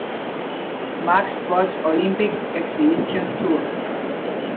Maxx post-Olympics exhibition tour.